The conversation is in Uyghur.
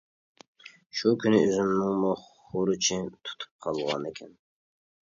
شۇ كۈنى ئۆزۈمنىڭمۇ خۇرۇچى تۇتۇپ قالغانىكەن.